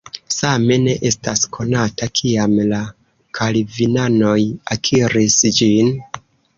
Same ne estas konata, kiam la kalvinanoj akiris ĝin.